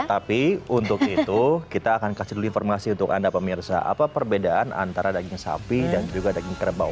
tapi untuk itu kita akan kasih dulu informasi untuk anda pemirsa apa perbedaan antara daging sapi dan juga daging kerbau